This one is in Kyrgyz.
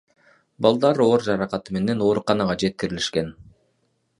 Балдар оор жаракаты менен ооруканага жеткирилишкен.